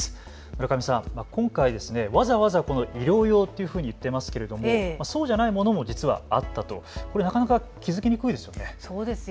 村上さん、今回、わざわざ医療用というふうに言っていますけれどもそうじゃないものもあったとなかなか気付きにくいですね。